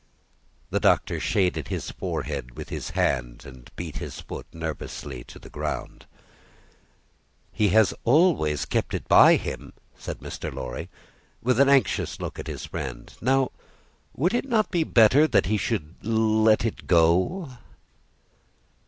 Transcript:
The Doctor shaded his forehead with his hand, and beat his foot nervously on the ground. "He has always kept it by him," said Mr. Lorry, with an anxious look at his friend. "Now, would it not be better that he should let it go?"